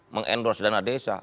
mengendorse dana desa